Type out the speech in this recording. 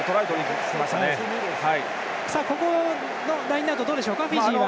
ここのラインアウトどうでしょうか、フィジーは。